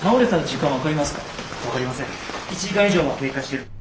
１時間以上は経過している。